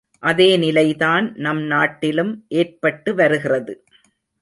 அதே நிலைதான் நம் நாட்டிலும் ஏற்பட்டு வருகிறது.